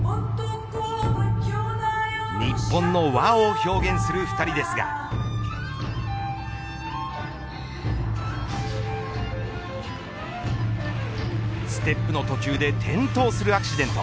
日本の和を表現する２人ですがステップの途中で転倒するアクシデント。